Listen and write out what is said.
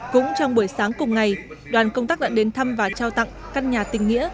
cũng trong buổi sáng cùng ngày đoàn công tác đã đến thăm và trao tặng căn nhà tình nghĩa